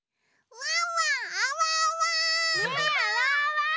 うわ！